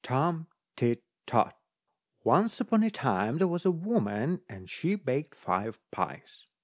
Tom Tit Tot Once upon a time there was a woman, and she baked five pies.